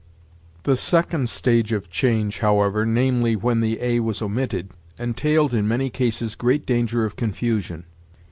The second stage of change, however, namely, when the a was omitted, entailed, in many cases, great danger of confusion.